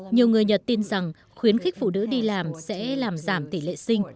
nhiều người nhật tin rằng khuyến khích phụ nữ đi làm sẽ làm giảm tỷ lệ sinh